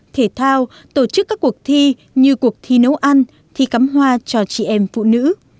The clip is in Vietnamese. thể thao tổ chức các cuộc thi như cuộc thi nấu ăn thi cắm hoa cho chị em phụ nữ